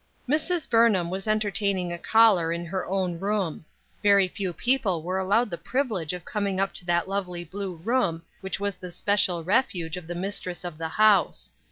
MRS. BURNHAM was entertaining a caller in her own room ; very few people were allowed the privilege of coming up to that lovely blue room which was the special refuge of the mis tress of the house.